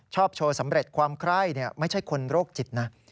โชว์สำเร็จความไคร้ไม่ใช่คนโรคจิตนะ